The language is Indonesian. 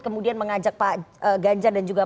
kemudian mengajak pak ganjar dan juga